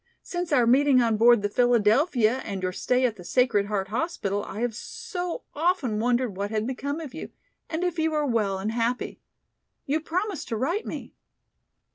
Since our meeting on board the 'Philadelphia' and your stay at the Sacred Heart Hospital I have so often wondered what had become of you, and if you were well and happy. You promised to write me."